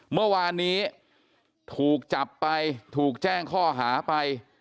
เมื่อวานนี้ถูกจับไปถูกแจ้งข้อหาไป